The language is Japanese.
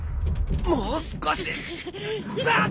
もう少しだっ！